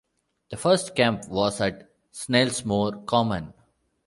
The first camp was at Snelsmore Common.